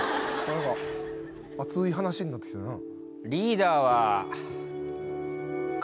熱い話になってきたな。